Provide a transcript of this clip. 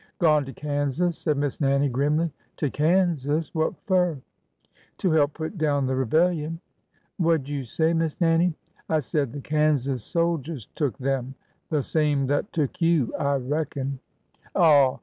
" Gone to Kansas," said Miss Nannie, grimly. " To Kansas ! What fur ?" THE OLD ORDER CHANGETH" 359 '' To help put down the rebellion !" What M you say, Miss Nannie?'^ '' I said the Kansas soldiers took them,— the same that took you, I reckon/' Aw